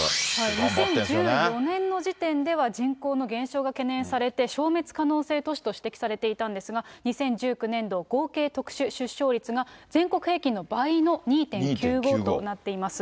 ２０１４年の時点では人口の減少が懸念されて、消滅可能性都市と指摘されていたんですが、２０１９年度、合計特殊出生率が全国平均の倍の２．９５となっています。